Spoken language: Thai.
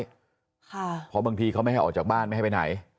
ค่ะเพราะบางทีเขาไม่ให้ออกจากบ้านไม่ให้ไปไหน